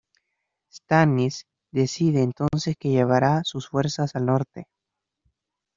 Stannis decide entonces que llevará sus fuerzas al Norte.